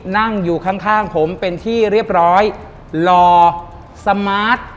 นั่งอยู่ข้างข้างผมเป็นที่เรียบร้อยรอสมาร์ท